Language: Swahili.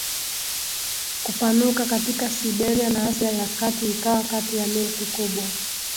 kupanuka katika Siberia na Asia ya Kati ikawa kati ya milki kubwa